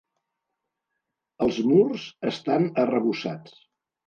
Els murs estan arrebossats.